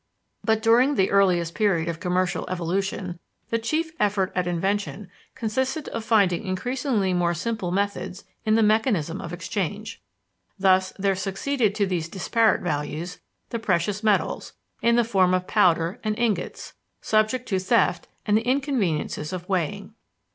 But during the earliest period of commercial evolution the chief effort at invention consisted of finding increasingly more simple methods in the mechanism of exchange. Thus, there succeeded to these disparate values, the precious metals, in the form of powder and ingots, subject to theft and the inconveniences of weighing.